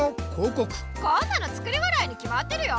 こんなの作り笑いにきまってるよ。